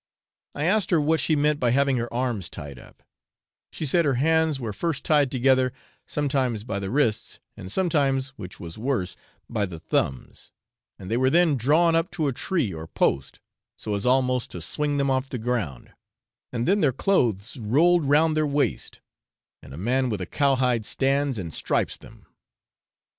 I asked her what she meant by having her arms tied up; she said their hands were first tied together, sometimes by the wrists, and sometimes, which was worse, by the thumbs, and they were then drawn up to a tree or post, so as almost to swing them off the ground, and then their clothes rolled round their waist, and a man with a cow hide stands and stripes them.